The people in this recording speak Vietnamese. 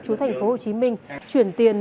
chú thành phố hồ chí minh chuyển tiền